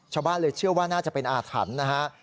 ชาวบ้านเลยเชื่อว่าน่าจะเป็นอาคัมนะครับ